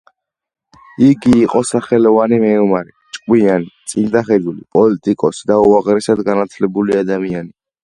იგი იყო სახელოვანი მეომარი, ჭკვიანი, წინდახედული პოლიტიკოსი და უაღრესად განათლებული ადამიანი.